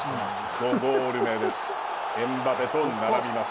５ゴール目です。